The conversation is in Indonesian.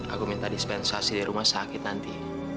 aku minta dispensasi di rumah sakit nanti